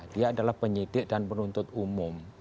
dia adalah penyidik dan penuntut umum